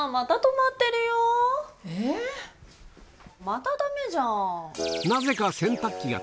またダメじゃん。